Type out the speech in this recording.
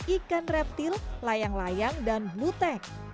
ikan reptil layang layang dan blutek